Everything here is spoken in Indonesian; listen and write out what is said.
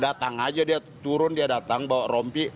datang aja dia turun dia datang bawa rompi